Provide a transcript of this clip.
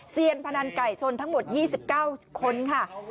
เซียนพนันไก่ชนทั้งหมด๒๙คนค่ะ